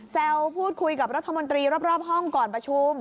พูดคุยกับรัฐมนตรีรอบห้องก่อนประชุม